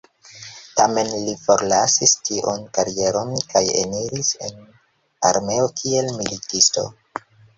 Tamen li forlasis tiun karieron kaj eniris en armeo kiel militisto.